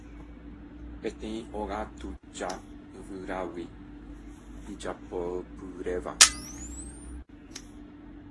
Peteĩ óga tuja yvyrágui ijapopyréva